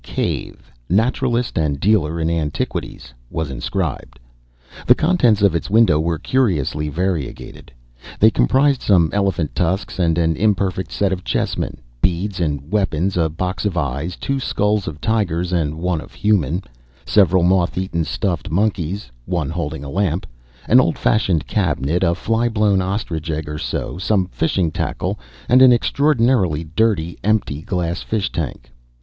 Cave, Naturalist and Dealer in Antiquities," was inscribed. The contents of its window were curiously variegated. They comprised some elephant tusks and an imperfect set of chessmen, beads and weapons, a box of eyes, two skulls of tigers and one human, several moth eaten stuffed monkeys (one holding a lamp), an old fashioned cabinet, a flyblown ostrich egg or so, some fishing tackle, and an extraordinarily dirty, empty glass fish tank.